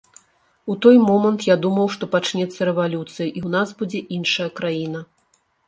У той момант я думаў, што пачнецца рэвалюцыя і ў нас будзе іншая краіна.